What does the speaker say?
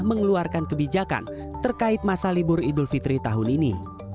mengeluarkan kebijakan terkait masa libur idul fitri tahun ini